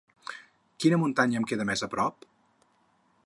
Quina muntanya em queda més aprop?